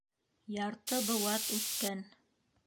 Ярты быуат үткән!